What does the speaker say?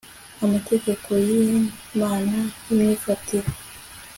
amategeko yi mana y'imyifatire